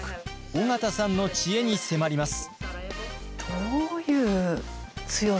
緒方さんの知恵に迫ります。